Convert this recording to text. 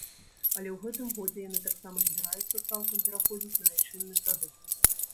Але ў гэтым годзе яны таксама збіраюцца цалкам пераходзіць на айчынны прадукт.